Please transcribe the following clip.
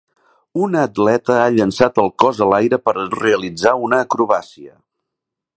Una atleta ha llançat el cos a l'aire per realitzar una acrobàcia.